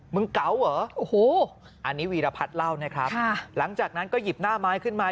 เก๋าเหรอโอ้โหอันนี้วีรพัฒน์เล่านะครับหลังจากนั้นก็หยิบหน้าไม้ขึ้นมา